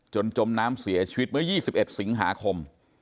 จมน้ำเสียชีวิตเมื่อ๒๑สิงหาคม